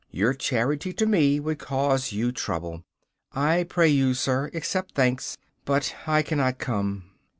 Your charity to me would cause you trouble. I pray you, sir, accept thanks, but I cannot come.